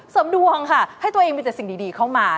ดวงค่ะให้ตัวเองมีแต่สิ่งดีเข้ามา